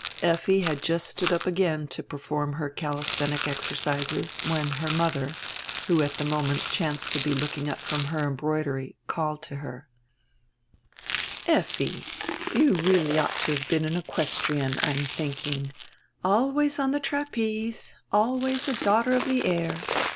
Effi had just stood up again to perform her calisthenic exercises when her mother, who at the moment chanced to be looking up from her embroidery, called to her: "Effi, you really ought to have been an equestrienne, I'm think ing. Always on the trapeze, always a daughter of the air.